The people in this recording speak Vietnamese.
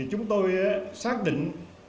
chúng tôi xác định